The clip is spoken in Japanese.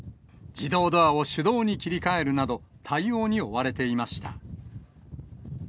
自動ドアを手動に切り替えるなど、対応に追われていました。